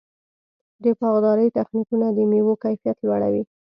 د باغدارۍ تخنیکونه د مېوو کیفیت لوړوي.